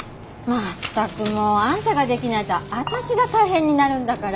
あんたができないと私が大変になるんだから。